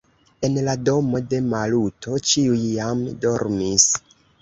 En la domo de Maluto ĉiuj jam dormis.